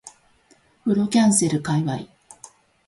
風呂キャンセル界隈